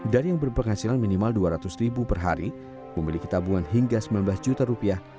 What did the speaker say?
dari yang berpenghasilan minimal dua ratus ribu per hari memiliki tabungan hingga sembilan belas juta rupiah